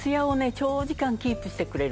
長時間キープしてくれる。